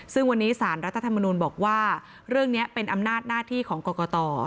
ซึ่งวันนี้สารรัฐธรรมนูลบอกว่าเรื่องนี้เป็นอำนาจหน้าที่ของกรกต